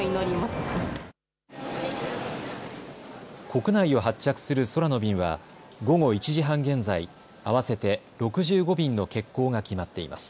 国内を発着する空の便は午後１時半現在、合わせて６５便の欠航が決まっています。